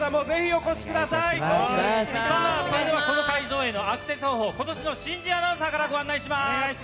それではこの会場へのアクセス方法、ことしの新人アナウンサーからご案内します。